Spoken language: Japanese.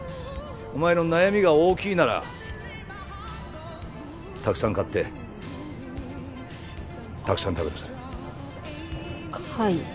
お前の悩みが大きいならたくさん買ってたくさん食べなさい。